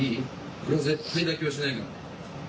俺は絶対妥協しないからね。